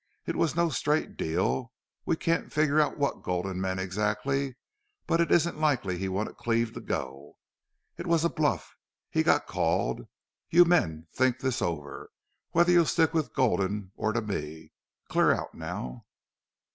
It was no straight deal. We can't figure what Gulden meant exactly, but it isn't likely he wanted Cleve to go. It was a bluff. He got called.... You men think this over whether you'll stick to Gulden or to me. Clear out now."